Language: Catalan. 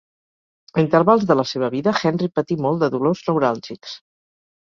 A intervals de la seva vida, Henry patí molt de dolors neuràlgics.